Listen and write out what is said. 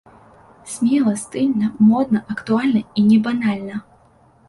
Смела, стыльна, модна, актуальна і не банальна!